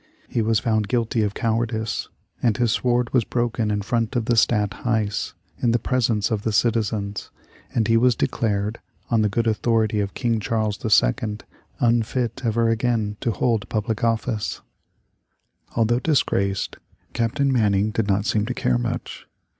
He was found guilty of cowardice, and his sword was broken in front of the Stadt Huys in the presence of the citizens, and he was declared, on the good authority of King Charles II., unfit ever again to hold public office. Although disgraced, Captain Manning did not seem to care much.